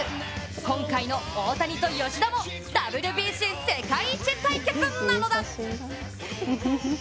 今回の大谷と吉田もＷＢＣ世界一対決なのだ！